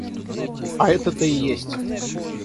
А это-то и есть.